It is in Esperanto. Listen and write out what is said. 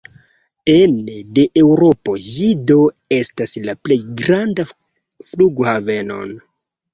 Ene de Eŭropo, ĝi do estas la plej granda flughaveno.